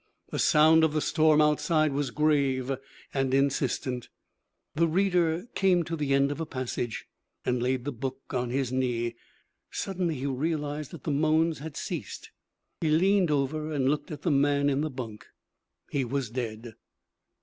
The sound of the storm outside was grave and insistent. The reader came to the end of a passage, and laid the book on his knee. Suddenly he realized that the moans had ceased. He leaned over and looked at the man in the bunk. He was dead.